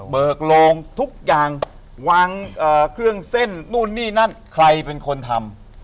โรงทุกอย่างวางเครื่องเส้นนู่นนี่นั่นใครเป็นคนทำ